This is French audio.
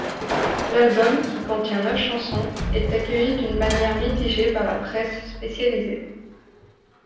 L'album, qui contient neuf chansons, est accueilli d'une manière mitigée par la presse spécialisée.